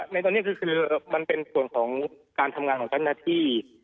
ในตอนนี้คือมันเป็นส่วนของการทำงานของเจ้าหน้าที่